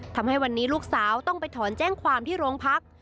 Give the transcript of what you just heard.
ทำให้วันนี้ลูกสาวต้องไปถอนแจ้งความที่โรงพัก